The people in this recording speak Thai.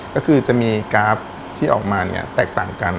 ก็คือจะมีกราฟที่ออกมาเนี่ยแตกต่างกัน